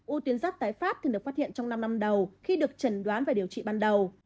u tiến giáp tái pháp thường được phát hiện trong năm năm đầu khi được trần đoán và điều trị ban đầu